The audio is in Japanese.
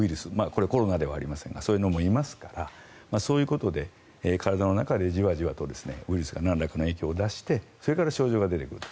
これはコロナではありませんがそういうのもいますからそういうことで体の中でじわじわとウイルスがなんらかの影響を出してそれから症状が出てくる。